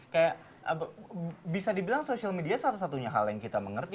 kayak bisa dibilang social media salah satunya hal yang kita mengerti